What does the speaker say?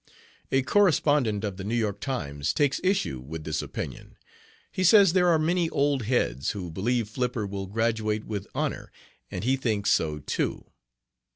"A correspondent of the New York Times takes issue with this opinion. He says there are many 'old heads' who believe Flipper will graduate with honor, and he thinks so too.